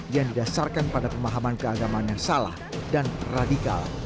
yang didasarkan pada pemahaman keagamaan yang salah dan radikal